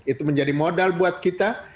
itu menjadi modal buat kita